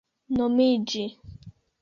nomiĝi